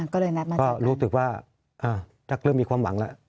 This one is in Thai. ก็เลยนัดมาก็รู้สึกว่าถ้าเริ่มมีความหวังแล้ว